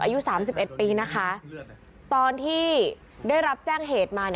อายุ๓๑ปีนะคะตอนที่ได้รับแจ้งเหตุมา